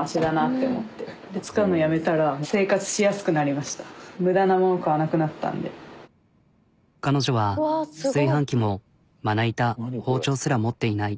でもうで彼女は炊飯器もまな板包丁すら持っていない。